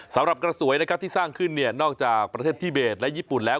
สำหรับกระสวยนะครับที่สร้างขึ้นเนี่ยนอกจากประเทศที่เบสและญี่ปุ่นแล้ว